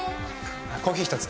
コーヒー１つ。